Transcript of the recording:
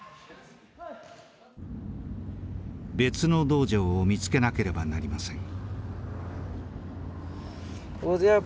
別の道場を見つけなければなりません。